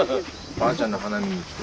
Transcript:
ばあちゃんの花見に来て。